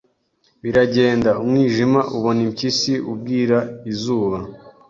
Biragenda, umwijima ubona impyisi, ubwira izuba